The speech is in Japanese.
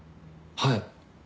はい。